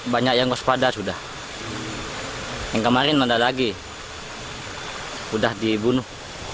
banyak yang waspada sudah yang kemarin ada lagi sudah dibunuh